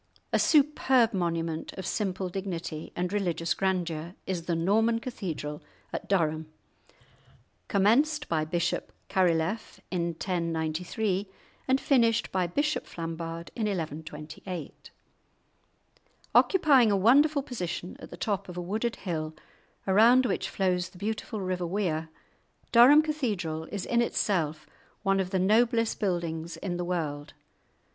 A superb monument of simple dignity and religious grandeur is the Norman Cathedral at Durham, commenced by Bishop Carilef in 1093, and finished by Bishop Flambard in 1128. Occupying a wonderful position at the top of a wooded hill, around which flows the beautiful river Wear, Durham Cathedral is in itself one of the noblest buildings in the world.